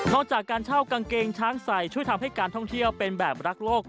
จากการเช่ากางเกงช้างใส่ช่วยทำให้การท่องเที่ยวเป็นแบบรักโลก